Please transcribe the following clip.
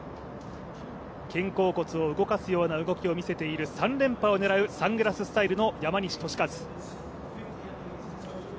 肩甲骨を動かすような動きを見せている３連覇を狙うサングラススタイルの山西利和。